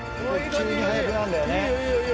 急に速くなるんだよね。